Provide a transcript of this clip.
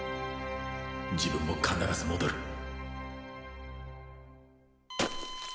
自分も必ず戻る